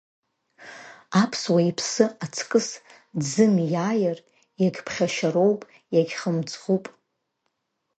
Аԥсуа иԥсы аҵкыс дзымиааир, иагьԥхашьароуп, иагьхьымӡӷуп…